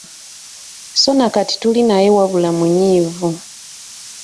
So na kati tuli naye wabula munyiivu.